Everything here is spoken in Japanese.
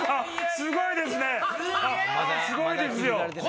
すごいですね。